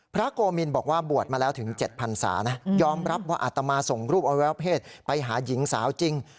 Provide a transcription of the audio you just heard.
โกมินบอกว่าบวชมาแล้วถึง๗พันศานะยอมรับว่าอาตมาส่งรูปอวัยวะเพศไปหาหญิงสาวจริง